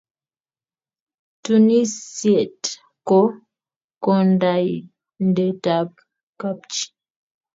Katunisyet ko kandoindetab kapchi.